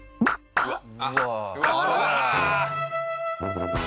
うわっ。